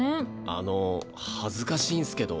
あの恥ずかしいんすけど。